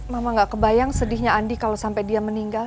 mama gak kebayang sedihnya andi kalau sampai dia meninggal